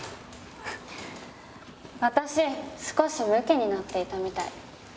私少しムキになっていたみたい。